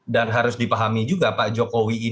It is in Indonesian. dan harus dipahami juga pak jokowi